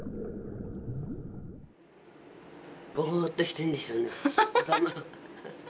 ボーッとしてるんでしょうね頭。